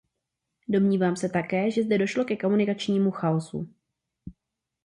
Domnívám se také, že zde došlo ke komunikačnímu chaosu.